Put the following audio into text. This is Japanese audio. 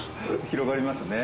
広がりますね。